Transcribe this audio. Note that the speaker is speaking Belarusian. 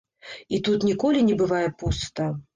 І тут ніколі не бывае пуста.